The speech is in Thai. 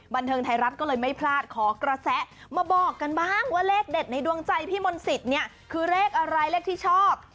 บันเทิงไทยรัฐก็เลยไม่พลาดขอกระแสมาบอกกันบ้างว่าเลขเด็ดในดวงใจพี่มนต์สิทธิ์เนี่ยคือเลขอะไรเลขที่ชอบ